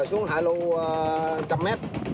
xuống hạ lưu một trăm linh m